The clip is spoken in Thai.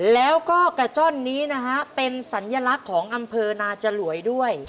แล้วก็กระจ้อนนี้นะฮะเป็นสัญลักษณ์ของอำเภอนาจรวยด้วย